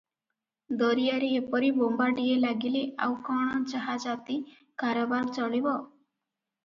ଦରିଆରେ ଏପରି ବୋମ୍ବାଟିଆ ଲାଗିଲେ ଆଉ କଣ ଜାହାଜାତି କାରବାର ଚଳିବ?